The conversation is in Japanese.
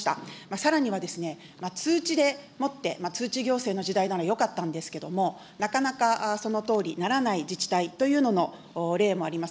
さらには通知でもって、通知行政の時代ならよかったんですけれども、なかなかそのとおりならない自治体というのの例もあります。